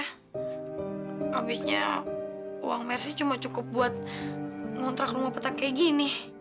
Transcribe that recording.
habisnya uang mersi cuma cukup buat ngontrak rumah petak kayak gini